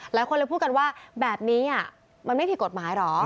หลายคนเลยพูดกันว่าแบบนี้มันไม่ผิดกฎหมายเหรอ